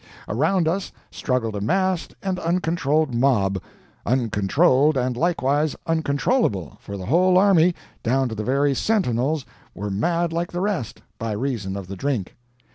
Around us struggled a massed and uncontrolled mob uncontrolled and likewise uncontrollable, for the whole army, down to the very sentinels, were mad like the rest, by reason of the drink.